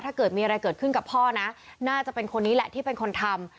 ถ้าเกิดมีอะไรเกิดขึ้นกับพ่อนะน่าจะเป็นคนนี้แหละที่เป็นคนทำ